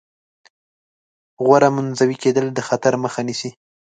غوره منزوي کېدل د خطر مخه نیسي.